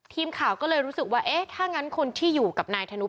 ทีมข่าวก็เลยรู้สึกว่าเอ๊ะถ้างั้นคนที่อยู่กับนายธนุ